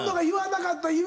言わなかった。